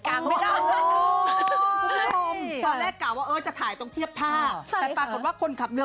กลางแม่นก็คืออันที่นี่